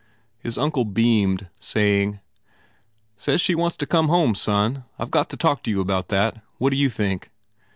His uncle beamed saying, "Says she wants to come home, son. I ve got to talk to you about that. Whatd you think?"